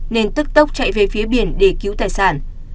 nên tức tốc chạy về phía biển để cứu tài sản